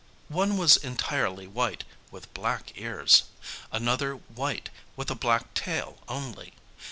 One was entirely white, with black ears. Another white, with a black tail only.